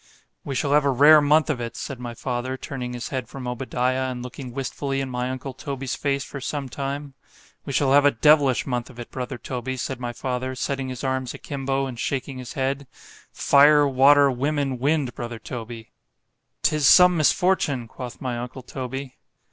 We shall have a rare month of it, said my father, turning his head from Obadiah, and looking wistfully in my uncle Toby's face for some time—we shall have a devilish month of it, brother Toby, said my father, setting his arms a'kimbo, and shaking his head; fire, water, women, wind—brother Toby!—'Tis some misfortune, quoth my uncle Toby.